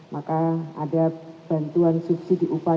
maka ada bantuan subsidi upah